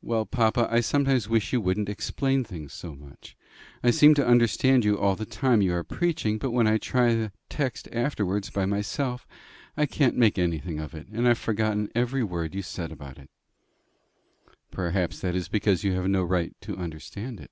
"Well, papa, I sometimes wish you wouldn't explain things so much. I seem to understand you all the time you are preaching, but when I try the text afterwards by myself, I can't make anything of it, and I've forgotten every word you said about it." "Perhaps that is because you have no right to understand it."